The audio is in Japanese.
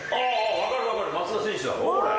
分かる分かる、松田選手だろ、これ。